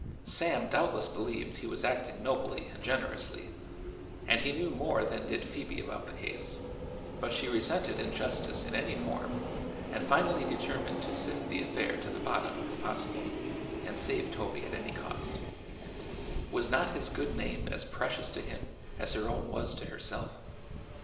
Sam doubtless believed he was acting nobly and generously, and he knew more than did Phoebe about the case, but she resented injustice in any form and finally determined to sift the affair to the bottom, if possible, and save Toby at any cost. Was not his good name as precious to him as her own was to herself?